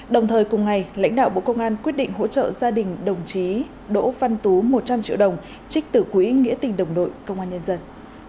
đồng thời cùng ngày lãnh đạo bộ công an quyết định hỗ trợ gia đình đồng chí đỗ văn tú một trăm linh triệu đồng trích tử quý nghĩa tình đồng đội công an nhân dân